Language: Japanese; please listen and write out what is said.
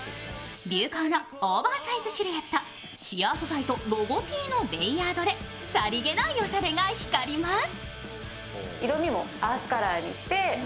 流行のオーバーサイズシルエット、シアー素材とロゴＴのレイヤードでさりげないおしゃれが光ります。